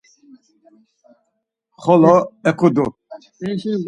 Xolo eǩudu.